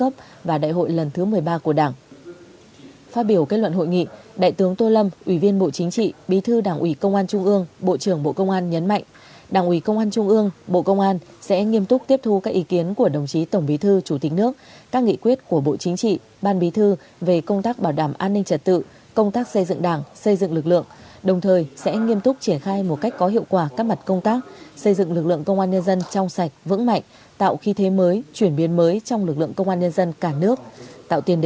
phát biểu kết luận hội nghị đại tướng tô lâm ủy viên bộ chính trị bí thư đảng ủy công an trung ương bộ trưởng bộ công an nhấn mạnh đảng ủy công an trung ương bộ công an sẽ nghiêm túc tiếp thu các ý kiến của đồng chí tổng bí thư chủ tịch nước các nghị quyết của bộ chính trị ban bí thư về công tác bảo đảm an ninh trật tự công tác xây dựng đảng xây dựng lực lượng đồng thời sẽ nghiêm túc triển khai một cách có hiệu quả các mặt công tác xây dựng lực lượng công an nhân dân trong sạch vững mạnh t